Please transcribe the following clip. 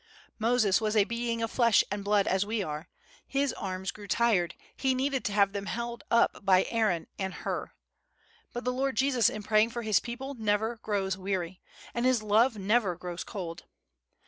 Moses was a being of flesh and blood as we are; his arms grew tired, he needed to have them held up by Aaron and Hur; but the Lord Jesus in praying for His people never grows weary, and His love never grows cold.